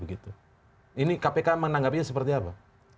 ini kpk menanggapinya seperti apa